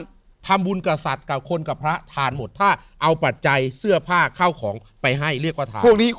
ก็ทำบุญกับสัตว์กับคนกับพระทานหมดถ้าเอาปัจจัยเสื้อผ้าเข้าของไปให้เรียกว่าทานพวกนี้